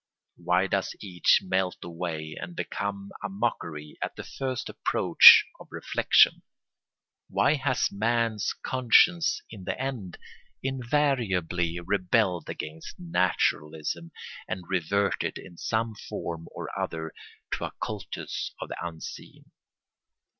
Why does each melt away and become a mockery at the first approach of reflection? Why has man's conscience in the end invariably rebelled against naturalism and reverted in some form or other to a cultus of the unseen?